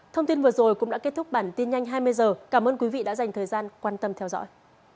thông tin vừa rồi cũng đã kết thúc bản tin nhanh hai mươi h cảm ơn quý vị đã dành thời gian quan tâm theo dõi